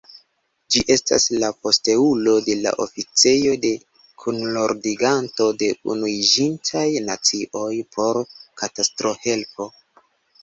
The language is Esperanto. Ĝi estas la posteulo de la Oficejo de Kunordiganto de Unuiĝintaj Nacioj por Katastrohelpo.